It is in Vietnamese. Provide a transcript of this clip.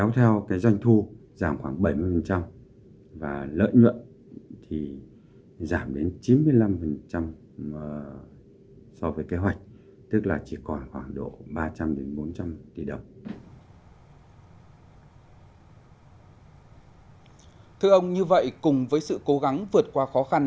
thưa ông như vậy cùng với sự cố gắng vượt qua khó khăn